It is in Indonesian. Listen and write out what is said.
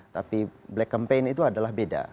tapi black campaign itu adalah beda